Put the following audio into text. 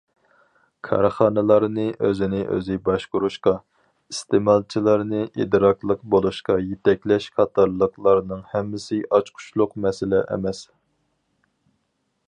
كارخانىلارنى ئۆزىنى ئۆزى باشقۇرۇشقا، ئىستېمالچىلارنى ئىدراكلىق بولۇشقا يېتەكلەش قاتارلىقلارنىڭ ھەممىسى ئاچقۇچلۇق مەسىلە ئەمەس.